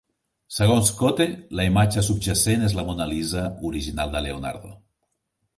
Segons Cotte, la imatge subjacent és la Mona Lisa original de Leonardo.